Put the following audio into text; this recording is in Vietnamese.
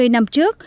hai mươi năm trước